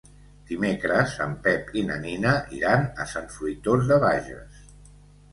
Dimecres en Pep i na Nina iran a Sant Fruitós de Bages.